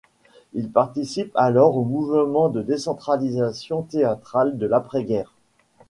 Il participe alors au mouvement de décentralisation théâtrale de l'après-guerre.